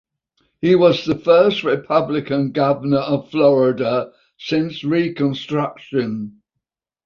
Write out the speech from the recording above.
He was the first Republican Governor of Florida since Reconstruction.